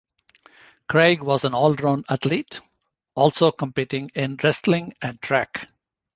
Craig was an all-around athlete, also competing in wrestling and track.